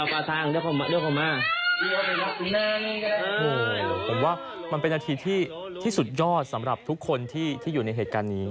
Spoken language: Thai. ผมว่ามันเป็นนาทีที่สุดยอดสำหรับทุกคนที่อยู่ในเหตุการณ์นี้